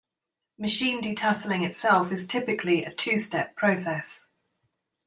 Machine detasseling itself is typically a two step process.